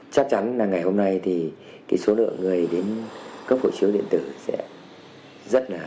chắc chắn là ngày hôm nay thì số lượng người đến cấp hộ chiếu điện tử sẽ rất là